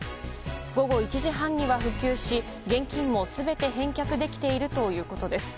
午後１時半には復旧し、現金も全て返却できているということです。